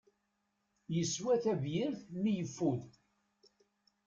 Yeswa tabyirt mi yefud.